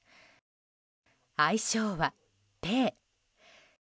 愛称は、ぺー。